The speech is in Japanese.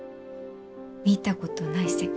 見たことない世界？